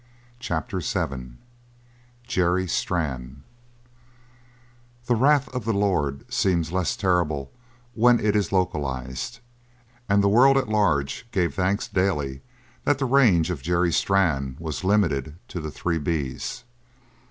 CHAPTER VII JERRY STRANN The wrath of the Lord seems less terrible when it is localised, and the world at large gave thanks daily that the range of Jerry Strann was limited to the Three B's.